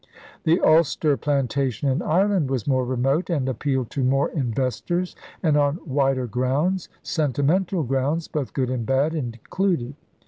The Ulster 'Plantation' in Ireland was more remote and appealed to more investors and on wider grounds — sentimental grounds, both good and bad, included.